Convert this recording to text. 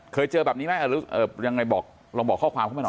เคยเจอแบบนี้ไหมหรือยังไงบอกลองบอกข้อความเข้ามาหน่อย